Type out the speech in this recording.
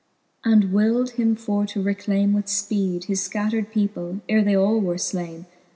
And willed him for to reclayme with ipeed His fcattred people, ere they all were flaine.